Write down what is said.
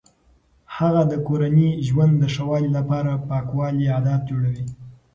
هغه د کورني ژوند د ښه والي لپاره د پاکوالي عادات جوړوي.